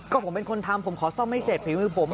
ก็ผมเป็นคนทำผมขอซ่อมให้เสร็จฝีมือผม